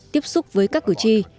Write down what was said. tiếp xúc với các cử tri